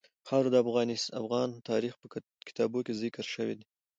خاوره د افغان تاریخ په کتابونو کې ذکر شوی دي.